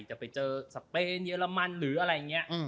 จะไปเจอสเปนเยอรมันหรืออะไรอย่างนี้